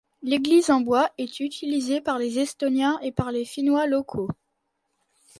L’église en bois est utilisée par les Estoniens et par les Finnois locaux.